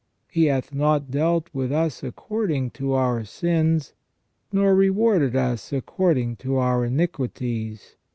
"He hath not dealt with us according to our sins; nor rewarded us according to our iniquities.